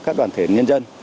các đoàn thể nhân dân